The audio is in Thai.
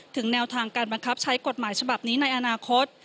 แนวทางการบังคับใช้กฎหมายฉบับนี้ในอนาคต